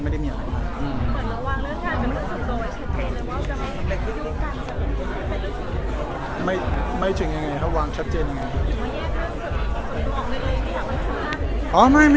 ไม่ได้มีอะไร